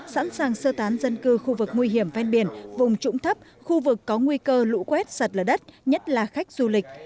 sẵn sàng sơ tán dân cư khu vực nguy hiểm ven biển vùng trũng thấp khu vực có nguy cơ lũ quét sạt lở đất nhất là khách du lịch